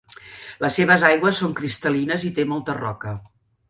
Les seves aigües són cristal·lines i té molta roca.